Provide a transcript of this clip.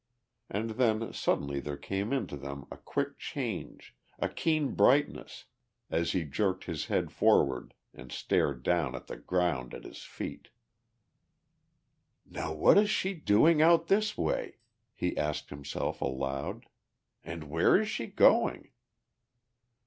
And then suddenly there came into them a quick change, a keen brightness, as he jerked his head forward and stared down at the ground at his feet. "Now what is she doing out this way?" he asked himself aloud. "And where is she going?"